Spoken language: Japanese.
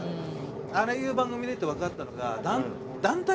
ああいう番組に出てわかったのが。